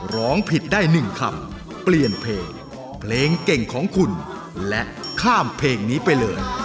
ร้องผิดได้๑คำเปลี่ยนเพลงเพลงเก่งของคุณและข้ามเพลงนี้ไปเลย